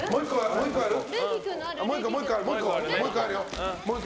もう１個あるよ。